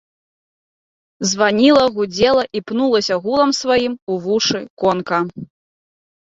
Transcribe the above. Званіла, гудзела і пнулася гулам сваім у вушы конка.